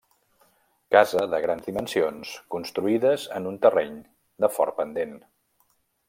Casa de grans dimensions construïdes en un terreny de fort pendent.